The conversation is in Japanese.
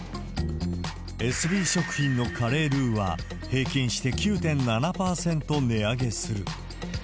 エスビー食品のカレールウは、平均して９．７％値上げする。